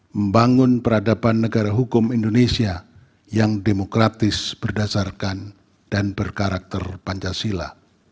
membangun peradaban negara hukum indonesia yang demokratis berdasarkan dan berkarakter pancasila